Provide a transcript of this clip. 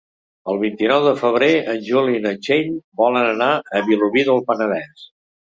El vint-i-nou de febrer en Juli i na Txell volen anar a Vilobí del Penedès.